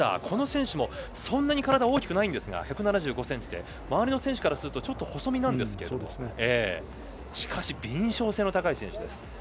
この選手も、そんなに体は大きくないんですが１７５ｃｍ周りの選手からするとちょっと細身ですがしかし敏捷性の高い選手です。